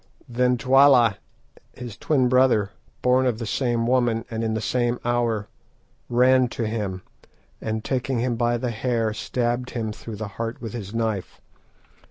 _' "Then Twala, his twin brother, born of the same woman, and in the same hour, ran to him, and taking him by the hair, stabbed him through the heart with his knife.